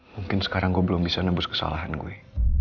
mungkin sekarang gue belum bisa nebus kesalahan gue